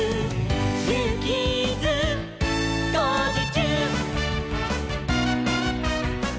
「ジューキーズ」「こうじちゅう！」